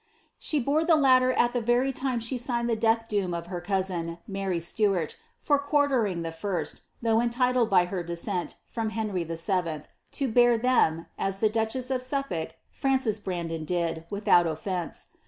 She bore the Utter at the very time she signed the death doom of her cousin, Mary Stuart, for quartering the first, though entitled by her descent, froRi Henry Vll., to bear them, as the duchess of Sullolk, Frances Bran (loQ did, without ofifence.